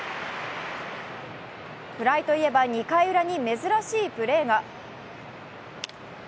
フライといえば２回ウラに珍しいプレーが。